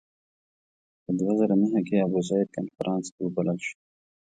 په دوه زره نهه کې ابوزید کنفرانس کې وبلل شو.